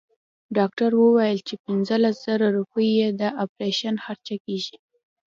ډاکټر وويل چې پنځلس زره روپۍ يې د اپرېشن خرچه کيږي.